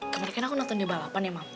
kemarin kan aku nonton dia balapan ya mam